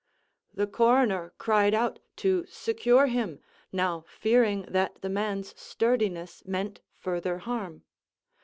The coroner cried out to secure him, now fearing that the man's sturdiness meant farther harm.